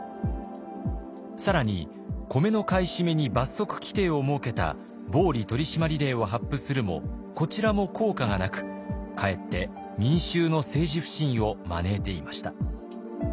更に米の買い占めに罰則規定を設けた暴利取締令を発布するもこちらも効果がなくかえって民衆の政治不信を招いていました。